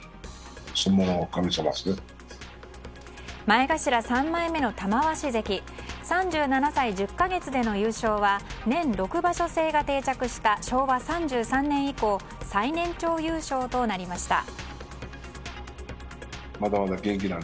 前頭３枚目の玉鷲関３７歳１０か月での優勝は年６場所制が定着した昭和３３年以降最年長優勝と成りました。